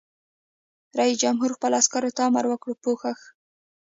رئیس جمهور خپلو عسکرو ته امر وکړ؛ پوښښ!